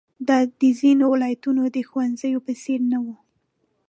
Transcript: دا د ځینو ولایتونو د ښوونځیو په څېر نه وه.